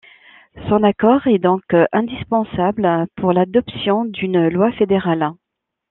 Son accord est donc indispensable pour l'adoption d'une loi fédérale.